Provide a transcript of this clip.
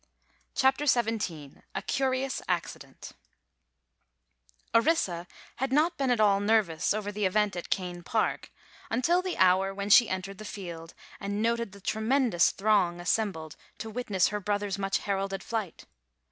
CHAPTER XVII A CURIOUS ACCIDENT Orissa had not been at all nervous over the event at Kane Park until the hour when she entered the field and noted the tremendous throng assembled to witness her brother's much heralded flight.